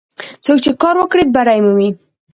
څوک چې کار وکړي، بری مومي.